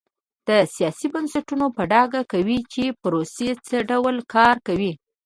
دا سیاسي بنسټونه په ډاګه کوي چې پروسې څه ډول کار کوي.